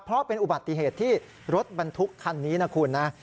เพราะเป็นอุบัติเหตุที่รถบรรทุกคันนี้นะคุณนะ